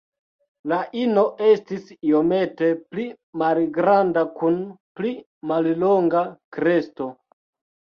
La ino estis iomete pli malgranda kun pli mallonga kresto.